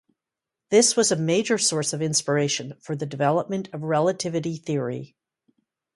This was a major source of inspiration for the development of relativity theory.